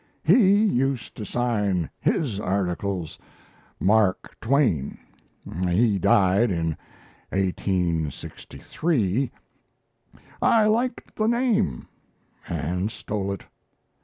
"He used to sign his articles Mark Twain. He died in 1863. I liked the name, and stole it.